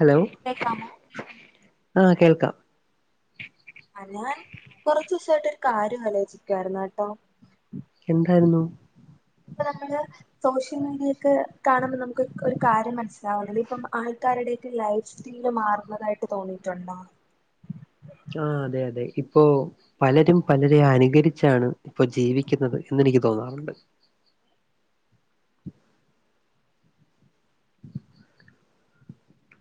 Hello. കേൾക്കാമോ? ആഹ് കേൾക്കാം. അല്ല കൊർച്ചൂസായിട്ടൊരു കാര്യം ആലോചിക്കായിര്ന്ന കെട്ടോ എന്താര്ന്നു ഇപ്പ നമ്മള് സോഷ്യൽ മീഡിയൊക്കെ കാണുമ്പൊ നമുക്ക് ഒര് കാര്യം മനസ്സിലാവ്ണില്ലെ ഇപ്പം ആൾക്കാരുടെക്കെ ലൈഫ് സ്റ്റൈല് മാറുന്നതായിട്ട് തോന്നീട്ടുണ്ടോ? ആ അതെ അതെ ഇപ്പോ പലരും പലരെ അനുകരിച്ചാണ് ഇപ്പൊ ജീവിക്കുന്നത് എന്നെനിക്ക് തോന്നാറ്ണ്ട്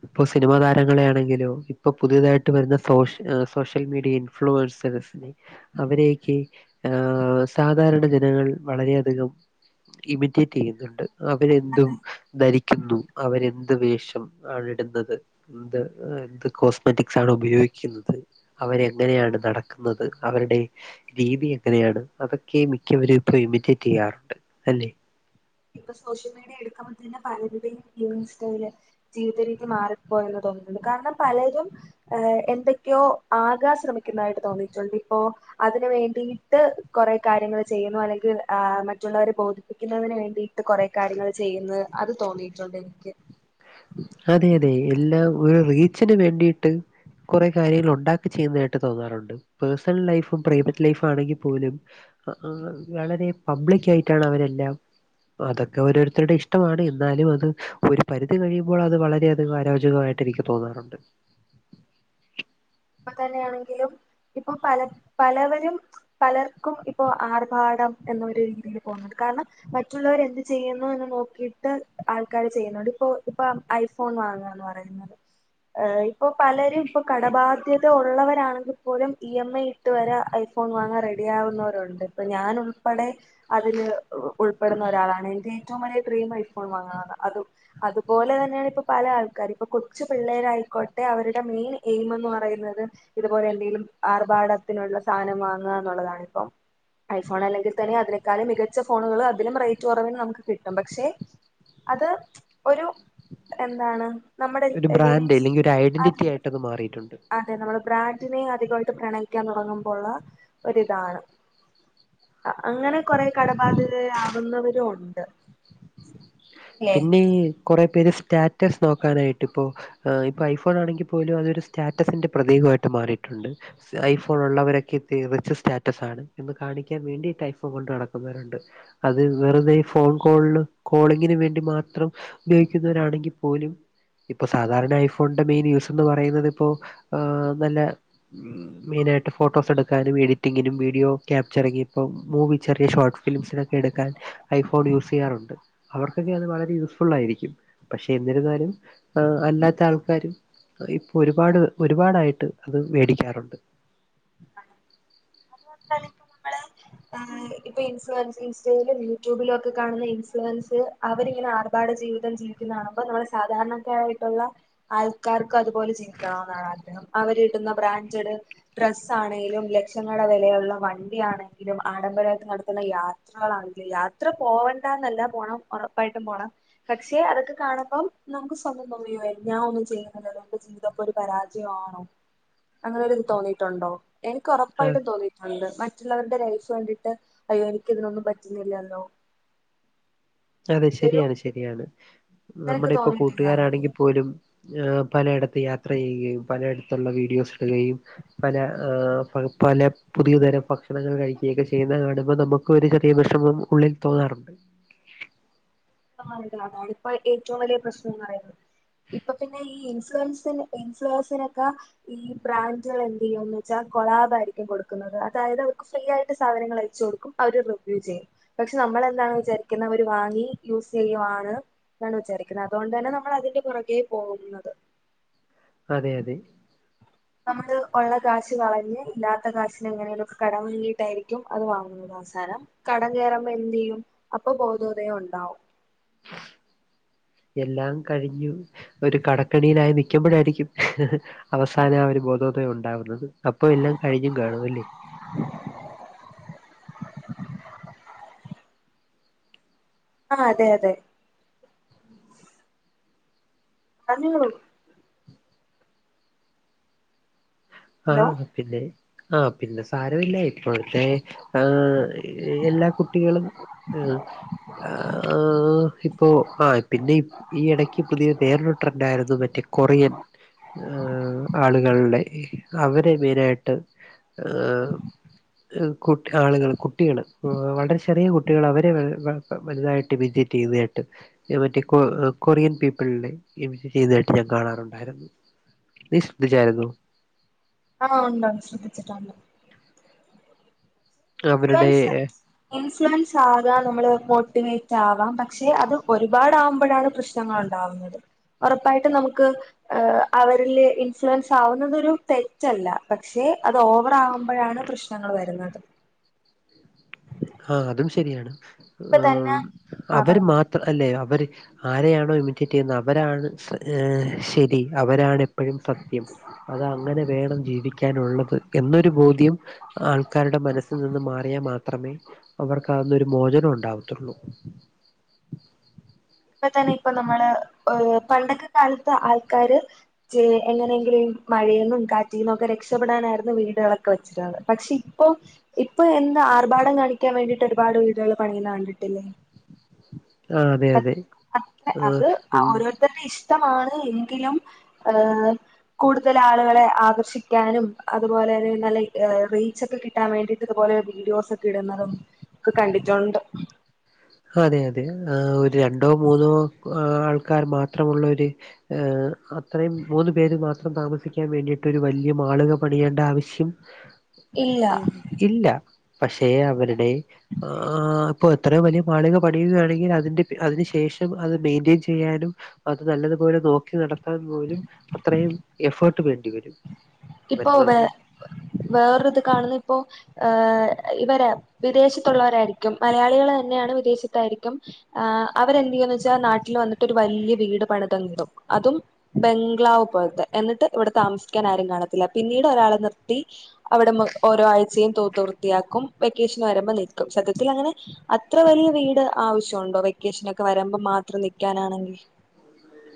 ഇപ്പൊ സിനിമാതാരങ്ങളെയാണെങ്കിലു ഇപ്പൊ പുതിയതായിട്ട് വരുന്ന സോഷ് സോഷ്യൽ മീഡിയിം ഇൻഫ്ലുവേർസേർ‌സ്നിം അവരെയൊക്കെ ആഹ് സാധാരണ ജനങ്ങൾ വളരെയധികം ഇമിറ്റേറ്റെയ്യുന്നുണ്ട് അവരെന്തും അതെ ധരിക്കുന്നു അവരെന്ത് വേഷം ആണിട്ന്നത് എന്ത് എന്ത് കോസ്മെറ്റിക്സാണ് ഉപയോഗിക്കുന്നത് അവരെ അങ്ങനെയാണ് ഇപ്പം നടക്കുന്നത് അവര്ടെ രീതിയൊക്കെങ്ങനെയാണ് അതൊക്കെ മിക്കവരും ഇപ്പൊ എമിറ്റേറ്റെയ്യാറുണ്ട് അല്ലെ ഇപ്പൊ സോഷ്യൽ മീഡിയ എടുക്കുമ്പോ തന്നെ പലരുടെയും ഇൻസ്റ്റയില് ജീവിത രീതി മാറിപ്പോയല്ലോ തോന്നുന്നുണ്ട് കാരണം പലരും ഏ എന്തൊക്കെയോ ആകാൻ ശ്രമിക്കുന്നതായിട്ട് തോന്നിയിട്ടുണ്ട് ഇപ്പോ അതിന് വേണ്ടിയിട്ട് കുറേ കാര്യങ്ങൾ ചെയ്യുന്നപോലെ അല്ലെങ്കിൽ മറ്റുള്ളവരെ ബോധിപ്പിക്കുന്നതിന് വേണ്ടിട്ട് ന്ന്ട്ട് കൊറേ കാര്യങ്ങൾ ചെയ്യുന്നു അത് തോന്നിയിട്ടുണ്ട് എനിക്ക് അതെ അതെ എല്ലാം ഒരു റീച്ചന് വേണ്ടിയിട്ട് കുറെേ കാര്യങ്ങൾ ഉണ്ടാക്കി ചെയ്യുന്നതായിട്ട് തോന്നാറുണ്ട് പേഴ്സണൽ ലൈഫും പ്രൈവറ്റ് ലൈഫും ആണെങ്കിൽ പോലും അ ആ വളരെ പബ്ലിക്കായിട്ടാണ് അവരെല്ലാം അതൊക്കെ ഓരോരുത്തരുടെ ഇഷ്ടമാണ് എന്നാലും അത് ഒരു പരിധി കഴിയുമ്പോ ഇപ്പോൾ അത് വളരെധികം ആരോചകമായിട്ട് എനിക്ക് തോന്നാറുണ്ട് ഇപ്പ തന്നെയാണെങ്കിലും ഇപ്പൊ പല പലവരും പലർക്കും ഇപ്പോ ആർഭാടം എന്നൊരു രീതിയിൽ പോകുന്നുണ്ട് കാരണം മറ്റുള്ളവർ എന്ത് ചെയ്യുന്നു എന്ന് നോക്കിട്ട് ആൾക്കാര് ചെയ്യുന്നുണ്ട് ഇപ്പോ ഇപ്പൊ ഐഫോൺ വാങ്ങാന്ന് പറ ഇപ്പൊ പലരും ഇപ്പൊ കടബാ സത്യത്തിൽ ഉള്ളവരാണെങ്കിൽ പോലും ഇ എം ഐ ഇട്ട് വരെ ഐഫോൺ വാങ്ങാൻ റെഡിയ ആകുന്നവരുണ്ട് ഇപ്പോ ഞാനുൾ ൾപ്പെടെ അതില് ഉൾപ്പെടുന്ന ഒരാളാണ് എന്റെ ഏറ്റവും വലിയ ഡ്രീം ഐഫോൺ വാങ്ങണെന്നാണ് അതും അതുപോലെ തന്നെയാണ് ഇപ്പ പല ആൾക്കാര് ഇപ്പൊ കൊച്ചു പിള്ളേരായിക്കോട്ടെ അവരുടെ മെയിൻ എയിം എന്ന് പറയുന്നത് പറയുന്നത് ഇതുപോലെ എന്തേലും ആർഭാടത്തിനുള്ള സാധനം വാങ്ങാന്നുള്ളതാണിപ്പം ഐഫോൺ അല്ലെങ്കിൽ തന്നെ അതിനേക്കാളും മികച്ച ഫോണുകൾ അതിലും റൈറ്റ് കുറവിന് നമുക്ക് കിട്ടും പക്ഷെ അത് ഒരു എന്താണ് നമ്മുടെ ഒരു ബ്രാൻഡ് ലിവിങ്സ് അല്ലെങ്കിൽ ഒരു ഐഡന്റിറ്റി അതെ ആയിട്ട് അത് മാറിയിട്ടുണ്ട് അതെ നമ്മള് ബ്രാൻഡിനെ അധികമായിട്ട് പ്രണയിക്കാൻ തുടങ്ങുമ്പോള്ള ഒരിതാണ് അങ്ങനെ കൊറേ കടബാധിതയാകുന്നവരുണ്ട് പിന്നെ കുറേ പേര് സ്റ്റാറ്റസ് നോക്കാനായിട്ട് ഇപ്പോ ഇപ്പോ ഐഫോൺ ആണെങ്കിൽ പോലും അതൊരു സ്റ്റാറ്റസിന്റെ പ്രതീകമായിട്ട് മാറിയിട്ടുണ്ട് ഐഫോൺ ഉള്ളവരൊക്കെ റിച്ച് സ്റ്റാറ്റസാണ് എന്ന് കാണിക്കാൻ വേണ്ടീട്ട് ഐഫോൺ കൊണ്ട് നടക്കുന്നവരുണ്ട് അത് വെറുതെ ഫോൺ കോള്ള് കോളിങ്ങിന് വേണ്ടി കോളിങ്ങിന് മാത്രം ഉപയോഗിക്കുന്നവരാണെങ്കിൽ പോലും ഇപ്പൊ സാധാരണ ഐഫോണിന്റെ മെയിൻ യൂസ്ന്ന് പറയുന്നത് ഇപ്പോൾ നല്ല മെയിനായിട്ട് ഫോട്ടോസ് എടുക്കാനും എഡിറ്റിങ്ങിനും വീഡിയോ ക്യാപ്ച ഇറങ്ങിയപ്പോ മൂവി ചെറിയ ഷോർട്ട് ഫിലിംസിനൊക്കെ എടുക്കാൻ ഐഫോൺ യൂസ് ചെയ്യാറുണ്ട് ഉണ്ടെങ്കിൽ വളരെ യൂസ്ഫുൾ ആായിയിരിക്കും പക്ഷെ എന്നിരുന്നാലും അല്ലാത്ത ആൾക്കാരും ഒരുപാട് ഒരുപാടായിട്ട് അത് മേടിക്കാറുണ്ട് അത് പോൽ തന്നെ ഇപ്പ നമ്മള് ആ ഇപ്പ ഇൻസ്ലുവൻസ് ഇൻസ്റ്റയിലും യൂട്യൂബിലും ഒക്കെ കാണുന്ന ഇൻസ്ലുവൻസ് അവരിങ്ങനെ ആർഭാട ജീവിതം ജീവി എന്നാപിന്നാ സാധാരണക്കാരായിട്ടുള്ള ആൾക്കാർക്ക് അതുപോലെ ജീവിക്കണന്നാണ് ആഗ്രഹം അവര് ഇടുന്ന ബ്രാന്റെഡ് ഡ്രസ്സ്‌ എന്താണെങ്കിലും ലക്ഷങ്ങളെ വിലയുള്ള വണ്ടിയാണെങ്കിലും ആഡംബരായിട്ട് നടത്തുന്ന യാത്ര [unintelligible] യാത്ര പോകണ്ടാന്നല്ല പോണം ഉറപ്പായിട്ടും പോണം പക്ഷെ അതൊക്കെ കാണുമ്പം നമുക്ക് സ്വന്തം തോന്നു യ്യോ ഞാൻ ഒന്നും ചെയ്യുന്നില്ലല്ലോ ഇതൊക്കൊരു പരാജ്യയാ ണോ അങ്ങനെ ഇൻക്ക് തോന്നിയിട്ടുണ്ടോ എനിക്ക് ആ ഉറപ്പായിട്ടും തോന്നിയിട്ടുണ്ട് മറ്റുള്ളവരുടെ ലൈഫ് കണ്ടിട്ട് അയ്യോ എനിക്ക് ഇതിനൊന്നും പറ്റുന്നില്ലല്ലോ അതെ ഇതൊരു ശരിയാണ് ശരിയാണ് നിനക്ക് നമ്മുടെ ഇപ്പൊ തോന്നിയിട്ടില്ലേ അങ്ങനെ? കൂട്ടുകാരാണെങ്കിൽ പോലും പലയിടത്ത് യാത്ര ചെയ്യുകയും പലയിടത്തുള്ള വീഡിയോസ് ഇടുകയും പല ഏ പല പുതിയ തരം ഭക്ഷണങ്ങൾ കഴിക്കൊക്കെ ചെയ്യുന്ന കാണുമ്പോ നമുക്കൊരു ചെറിയ വെശമം ഉള്ളിൽ തോന്നാറുണ്ട് അതാണ് ഇപ്പൊ ഏറ്റവും വലിയ പ്രശ്നന്ന് പറയുന്നത് ഇപ്പൊ പിന്നെ ഈ ഇൻഫ്ലോവൻസി ഇൻഫ്ലോവൻസിനൊക്കെ ഈ ബ്രാൻഡുകൾ എന്ത് ചെയ്യോന്ന് വെച്ചാൽ കൊളാബായിരിക്കും കൊടുക്കുന്നത് അതായത് അവർക്ക് ഫ്രീ ആയിട്ട് സാധനങ്ങൾ അയച്ചു കൊടുക്കും അവര് റിവ്യൂ ചെയ്യും പക്ഷെ നമ്മളെന്താണ് വിചാരിക്കുന്നത് അവര് വാങ്ങി യൂസ് ചെയ്യുവാണ് എന്നാണ് വിചാരിക്കുന്നത് അതുകൊണ്ട് തന്നെ നമ്മൾ അതിന്റെ പുറകേെ പോകുന്നത് അതെ അതെ നമ്മള് ഉള്ള കാശ് കളഞ്ഞ് ഇല്ലാത്ത കാശിനെങ്ങനെലൊക്കെ കടം വങ്ങിയിട്ടായിരിക്കും അത് വാങ്ങു അവസാനം കടം കയറുമ്പോ എന്ത്യ്യും അപ്പൊ ബോധോദയം ണ്ടാവും എല്ലാം കഴിഞ്ഞു ഒരു കടക്കണിയിലായി നി ക്കുമ്പോഴായിരിക്കും അവസാനം ആ ഒരു ബോധോതയം ഉണ്ടാവുന്നത് അപ്പൊ എല്ലാം കഴിഞ്ഞും കാണും അല്ലേ ആ അതെ അതെ [inaudible] ആഹ ഹലോ പിന്നെ ആഹ് പിന്നെ സാരമില്ല ഇപ്പോഴത്തെ ആ എല്ലാ കുട്ടികളും ഏ ആ ഇപ്പോ ആ പിന്നെ ഈ ഇടയ്ക്ക് പുതിയ വേറൊരു ട്രെൻഡന്റായിരുന്നു മറ്റേ കൊറിയൻ ആളുകളുടെ അവരെ മെയിനായിട്ട് ആളുകൾ കുട്ടികള് വളരെ ചെറിയ കുട്ടികൾ അവരെ വലുതായിട്ട് ഇമിറ്റേറ്റ് ചെയ്യുന്നതായിട്ട് മറ്റേ കൊറിയൻ പീപ്പിൾനെ ഇമിറ്റ് ചെയ്തായിട്ട് ഞാൻ കാണാറുണ്ടായിരുന്നു [unintelligible] ആഹ ഉണ്ട് ശ്രദ്ധിച്ചിട്ടുണ്ട് അവരുടെ ഇൻഫ്ലുവൻസ് ഇൻഫ്ലുവൻസ് ആക നമ്മള് മോട്ടിവേറ്റ് ആവാം പക്ഷെ അത് ഒരുപാടാകുമ്പോഴാണ് പ്രശ്ന ങ്ങളുണ്ടാവുന്നത് ഉറപ്പായിട്ട് നമുക്ക് അവരില് ഇൻഫ്ലുവൻസ് ആവുന്നതൊരു തെറ്റല്ല പക്ഷെ അത് ഓവറ ആകു മ്പോഴാണ് പ്രശ്നങ്ങൾ വരുന്നത് ആഹ അതും ശരിയാണ് ഇപ്പൊ തന്നെ ആ അവര് പറഞ്ഞു മാ അല്ലേ അവര് ആരെയണോ ഇമിറ്റേറ്റ് ചെയ്യുന്നത് അവരാണ് ശരി അവരാണ് എപ്പോഴും സത്യം അത് അങ്ങനെ വേണം ജീവിക്കാനുള്ളത് എന്നൊരു ബോധ്യം ആൾക്കാരുടെ മനസ്സിൽ നിന്ന് മാറിയാൽ മാത്രമേ അവർക്ക് അതിനൊരു മോചനം ഉണ്ടാവത്തുള്ളൂ ഇപ്പൊ തന്നെ ഇപ്പൊ നമ്മള് പണ്ടൊക്ക കാലത്ത് ആൾക്കാര് എങ്ങനെങ്കിലും ഈ മഴേന്നും കാറ്റിന്നും ഒക്കെ രക്ഷപ്പെടാനായിരുന്നു വീടുകളൊക്കെ വെച്ചിരുന്നത് പക്ഷെ ഇപ്പോ ഇപ്പൊ എന്താ ആർഭാടം കാണിക്കാൻ വേണ്ടിയിട്ട് ഒരുപാട് വീടുകൾ പണിന്ന് കണ്ടിട്ടില്ലേ [inaudible] അതെ ആഹ് അത് ഉം ഓരോരുത്തരെ ഇഷ്ടമാണ് എങ്കിലും ഏഹ കൂടുതൽ ആളുകളെ ആകർഷിക്കാനും അതുപോലെ തന്നെ നല്ല റീച്ചക്കെ കിട്ടാൻ വേണ്ടിട്ട ഇ തുപോലെ വീഡിയോസോക്കെ ഇടുന്നതും ഒക്കെ കണ്ടിട്ടുണ്ട് അതെ അതെ ഒരു രണ്ടോ മൂന്നോ ആൾക്കാർ മാത്രമുള്ള ഒരു അത്രയും മൂന്നു പേര് മാത്രം താമസിക്കാൻ വേണ്ടിയിട്ട് ഒരു വലിയ മാളിക പണിയേണ്ട ആവശ്യം ഇല്ല [inaudible] ഇല്ല പക്ഷെ അവരുടെ ആ ഇപ്പൊ അത്രിം വലിയ മാളിക പണിയുകയാണെങ്കിൽ അതിൻ്റെ അതിനു ശേഷം അത് മെയിൻറ്റെയിൻ ചെയ്യാനും അത് നല്ലതുപോലെ നോക്കി നടത്താൻ പോലും അത്രയും എഫേർട്ട് വേണ്ടിവരും ഇപ്പൊ വേ വേറ ഇത് കാണുന്ന ഇപ്പോ ഏഹ ഇവര് വിദേശത്തുള്ളവരായിരിക്കും മലയാളികൾ തന്നെയാണ് വിദേശത്തായിരിക്കും ആ അവരെന്തയ്യു വെച്ചാൽ നാട്ടിൽ വന്നിട്ട് വലിയ വീട് പണിതങ്കിടും അതും ബംഗ്ലാവ് പോൽത്തെ എന്നിട്ട് ഇവിടെ താമസിക്കാൻ ആരും കാണത്തില്ല പിന്നീട് ഒരാളെ നിർത്തി അവിടെ ഓരോ ആഴ്ചയും തൂത്ത് വൃത്തിയാക്കും വെക്കേഷൻ വരുമ്പോ നിൽക്കും സത്യത്തിൽ അങ്ങനെ അത്ര വലിയ വീട് ആവശ്യണ്ടോ വെക്കേഷനോക്കെ വരുമ്പോ മാത്രം നിക്കാനാണെങ്കിൽ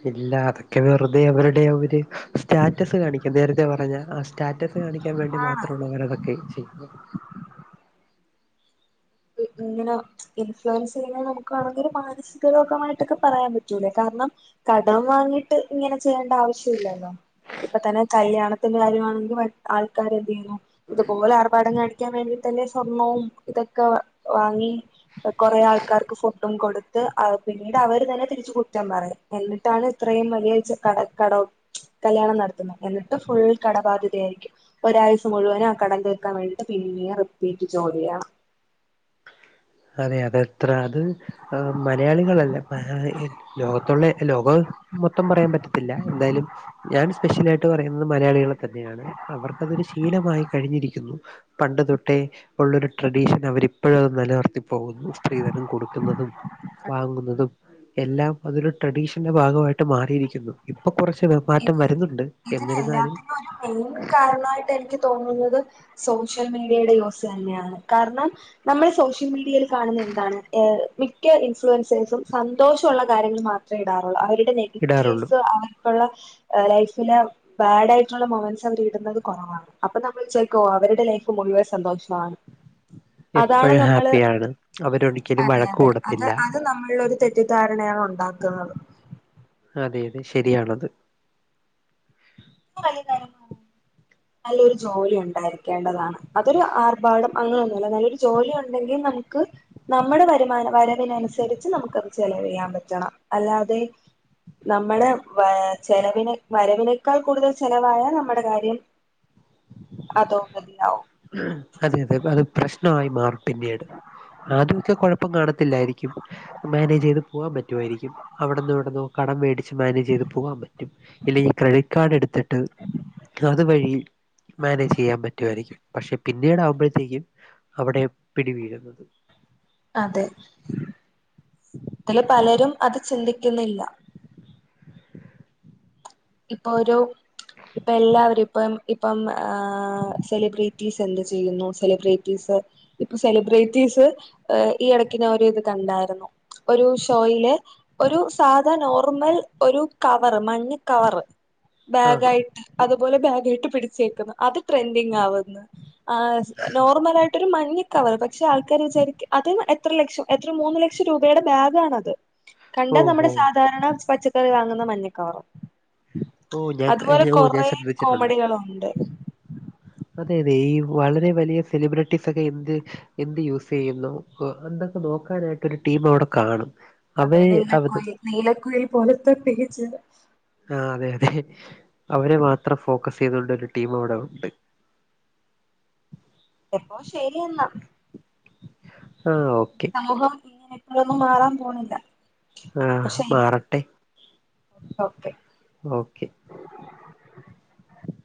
ഇല്ല അതൊക്കെ വെറുതെ അവരുടെ ഒരു സ്റ്റാറ്റസ് കാണിക്കുക നേരത്തെ പറഞ്ഞ സ്റ്റാറ്റസ് കാണിക്കാൻ വേണ്ടി മാത്ര ഉള്ളൂ അങ്ങന അതൊക്കെ ചെയ്യുന്നത് ഇങ്ങനെ ഇൻഫ്ലുവൻസ് കഴിഞ്ഞാൽ നമുക്ക് വേണെങ്കി ഒരു മാനസികരോഗമായിട്ടൊക്കെ പറയാൻ പറ്റൂലേ കാരണം കടം വാങ്ങിട്ട് ഇങ്ങനെ ചെയ്യേണ്ട ആവശ്യം ഇില്ലല്ലോ ഇപ്പ തന്നെ കല്യാണത്തി ന്റെ കാര്യമാണെങ്കിൽ ആൾകാര് എന്ത് ചെയ്യുന്നു ഇതുപോലെ ആർഭാടം കാണി കാണിക്കാൻ വേണ്ടി തന്നെ സ്വർണ്ണവും ഇതൊക്കെ വാങ്ങി കൊറെആൾക്കാർക്ക് ഫുഡ് ഫുഡും കൊടുത്ത് പിന്നീട് അവര് തന്നെ തിരിച്ച് കുറ്റം പറയും എന്നിട്ടാണ് ഇത്രയും വലിയ കട കട കല്യാണം നടത്തുന്നത് എന്നിട്ട് ഫുൾ കടബാധ്യതയയിരിക്കും. ഒരായുസ്സ് മുഴുവൻ ആ കടം തീർക്കാൻ വേണ്ടിയിട്ട് പിന്നെയെ റിപ്പീറ്റ് ജോലി ചെയ്യണം. അതെ അതെത്ര അത് മലയാളികളല്ല മാ- ലോകത്തുള്ള ലോകം മൊത്തം പറയാൻ പറ്റത്തില്ല എന്തായാലും. ഞാൻ സ്പെഷ്യലായിട്ട് പറയുന്നത് മലയാളികളെ തന്നെയാണ് അവർക്കതൊരു ശീലമായി കഴിഞ്ഞിരിക്കുന്നു. പണ്ട് തൊട്ടേ ഉള്ളൊരു ട്രഡീഷൻ അവരിപ്പോഴും അത് നിലനിർത്തി പോകുന്നു സ്ത്രീധനം കൊടുക്കുന്നതും വാങ്ങുന്നതും എല്ലാം അതൊര് ട്രഡീഷന്റെ ഭാഗമായിട്ട് മാറിയിരിക്കുന്നു ഇപ്പൊ കുറച്ച് മാറ്റം ഇത് വരുന്നുണ്ട് എന്നിരുന്നാലും [unintelligible] കാരണമായിട്ട് എനിക്ക് തോന്നുന്നത് സോഷ്യൽ മീഡിയയുടെ യൂസ് തന്നെയാണ് കാരണം നമ്മള് സോഷ്യൽ മീഡിയയിൽ കാണുന്ന എന്താണ് മിക്ക ഇൻഫ്ലുവൻസേഴ്സും സന്തോഷള്ള കാര്യങ്ങൾ മാത്രം ടാറുള്ളൂ അവരുടെ ഇടാറുള്ളൂ നെഗറ്റീവ്സ് അവർക്കുള്ള ലൈഫില് ബാഡ് ആയിട്ടുള്ള മൊമാൻസ് അവർ ഇടുന്നത് കുറവാണ് അപ്പൊ നമ്മൾ വിചാരിക്കും അവരുടെ ലൈഫ് മുഴുവൻ സന്തോഷമാണ്. [inaudible] എപ്പോഴും നമ്മള് ഹാപ്പിയാണ് അവര് ഒരിക്കലും വഴക്ക് കൂടത്തില്ല. ത് നമ്മളൊരു തെറ്റിദ്ധാരണയാണ് ഉണ്ടാക്കുന്നത്. അതെ അതെ ശരിയാണത്. നല്ലൊരു ജോലി ഉണ്ടായിരിക്കേണ്ടതാണ് അതൊരു ആർഭാടം- അങ്ങനെൊന്നുല്ല നല്ലൊരു ജോലി ഉണ്ടെങ്കിൽ നമുക്ക് നമ്മുടെ വരുമാന വരവിനനുസരിച്ച് നമുക്കത് ചെലവ് ചെയ്യാൻ പറ്റണം അല്ലാതെ നമ്മുടെ വചെലവിനെ വരവിനേക്കാൾ കൂടുതൽ ചെലവായാൽ നമ്മുടെ കാര്യം അതോ ഗതിയാവും. അതെ അതെ അത് പ്രശ്നമായി മാറും പിന്നീട് ആദ്യം ഒക്കെ കുഴപ്പം കാണത്തില്ലായിരിക്കും. മാനേജ് ചെയ്ത് പോകാൻ പറ്റുമായിരിക്കും അവിടെന്ന് ഇവിടെന്ന് കടം മേടിച്ച് മാനേജ് ചെയ്ത് പോകാൻ പറ്റും. ഇല്ലെങ്കി ഈ ക്രെഡിറ്റ് കാർഡ് എടുത്തിട്ട് അതുവഴി മാനേജ് ചെയ്യാൻ പറ്റുമായിരിക്കും. പക്ഷെ പിന്നീട് ആകുമ്പോഴത്തേക്കും അവിടെ പിടിവീഴും. അതെ ഇത് പലരും അത് ചിന്തിക്കുന്നില്ല. ഇപ്പൊ ഒരു ഇപ്പ എല്ലാവരും ഇപ്പം ഇപ്പം സെലിബ്രിറ്റീസ് എന്ത് ചെയ്യുന്നു സെലിബ്രിറ്റീസ് ഇപ്പൊ സെലിബ്രിറ്റീസ് ഈ ഇടക്ക് ഞാൻ ഒരു ഇത് കണ്ടായിരുന്നു ഒരു ഷോയില് ഒരു സാധാ നോർമൽ ഒരു കവർ മഞ്ഞ് കവർ ആഹ് ബാഗായിട്ട്- അതുപോലെ ബാഗായിട്ട് പിടിച്ചേക്കുന്നു അത് ട്രെൻഡിങ് ആവുന്നു. ആഹ് നോർമലായിട്ടൊരു മഞ്ഞ് - കവർ പക്ഷെ ആൾക്കാർ വിചാരിക്ക അത് എത്ര ലക്ഷം എത്ര മൂന്ന് ലക്ഷം രൂപയുടെ ബാഗ ആണത് ഓ കണ്ട നമ്മുടെ ഓ സാധാരണ പച്ചക്കറി വാങ്ങുന്ന മഞ്ഞക്കവറും ഓ ഞാൻ ക- അതുപോലെ ഞാൻ- ഓ ഞാൻ കൊറെ ശ്രദ്ധിച്ചിട്ടുണ്ട്. കോമഡികളുണ്ട് അതെ അതെ ഈ വളരെ വലിയ സെലിബ്രിറ്റീസ് ഒക്കെ എന്ത് എന്ത് യൂസ് ചെയ്യുന്നു എന്തൊക്കെ നോക്കാനായിട്ട് ഒരു ടീം അവിടെ കാണും. അതെ അവര് അവത് നീലക്കുയിൽ നീലക്കോഴി പോലത്തൊ പേജ് ആഹ് അതെ അതെ അവരെ മാത്രം ഫോക്കസ് ചെയ്തൊണ്ട് ഒരു ടീം അവിടെ ഉണ്ട് എപ്പൊ ശരിയെന്നാ ആഹ് ഓക്കെ സമൂഹം ഇങ്ങനെ എപ്പോഴൊന്നും മാറാം പോണില്ല ആഹ് അപ്പൊ ശരി മാറട്ടെ ഓക്കെ ഓക്കെ